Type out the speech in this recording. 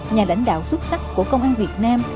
nhà lãnh đạo xuất sắc của công an việt nam